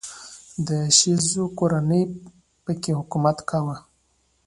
د شیزو کورنۍ په کې حکومت کاوه.